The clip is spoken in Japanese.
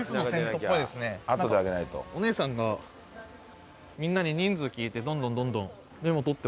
お姉さんがみんなに人数聞いてどんどんどんどんメモ取ってます。